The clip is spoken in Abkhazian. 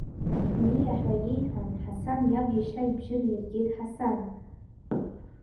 Миа ҳәа иеиҳәон Ҳасан иаб иашьа, ибжьы наиргеит Ҳасан.